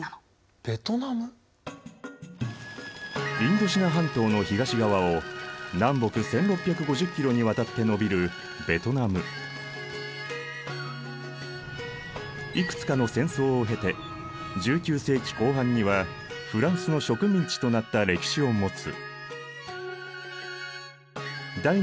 インドシナ半島の東側を南北１，６５０キロにわたって延びるいくつかの戦争を経て１９世紀後半にはフランスの植民地となった歴史を持つ。